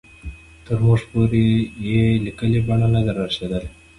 تر موږ پورې په لیکلې بڼه نه دي را رسېدلي.